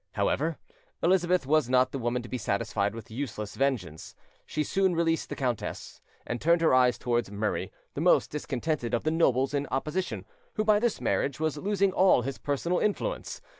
However, Elizabeth was not the woman to be satisfied with useless vengeance: she soon released the countess, and turned her eyes towards Murray, the most discontented of the nobles in opposition, who by this marriage was losing all his personal influence.